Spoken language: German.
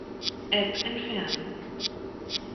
App entfernen.